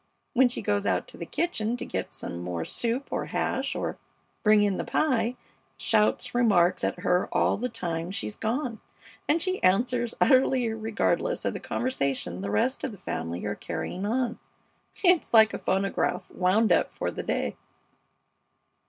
When she goes out to the kitchen to get some more soup or hash or bring in the pie, he shouts remarks at her all the time she's gone, and she answers, utterly regardless of the conversation the rest of the family are carrying on. It's like a phonograph wound up for the day.